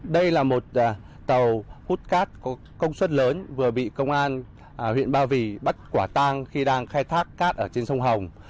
đây là một tàu hút cát có công suất lớn vừa bị công an huyện ba vì bắt quả tang khi đang khai thác cát ở trên sông hồng